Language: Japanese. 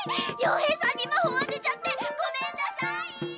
傭兵さんに魔法当てちゃってごめんなさい！